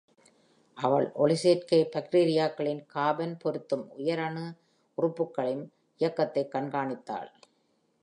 அவள் ஒளிசேர்க்கை பாக்டீரியாக்களின் கார்பன் பொருத்தும் உயிரணு உறுப்புகளிம் இயக்கத்தை கண்காணித்தாள்.